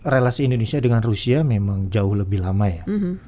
relasi indonesia dengan rusia memang jauh lebih lama ya